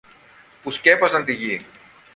που σκέπαζαν τη γη.